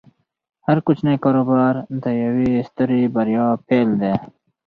هر کوچنی کاروبار د یوې سترې بریا پیل دی۔